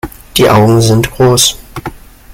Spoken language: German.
Die Augen sind groß.